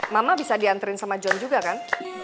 mama bisa diantarin sama john juga kan